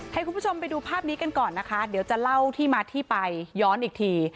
ให้คุณผู้ชมไปดูภาพนี้กันก่อนนะคะเดี๋ยวจะเล่าที่มาที่ไปย้อนอีกที